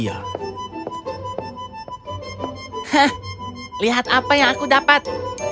hahaha lihat apa yang aku dapat